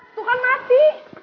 tuh kan mati